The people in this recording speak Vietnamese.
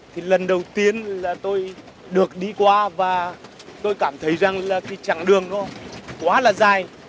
thì lần đầu tiên là tôi được đi qua và tôi cảm thấy rằng là cái chặng đường nó quá là dài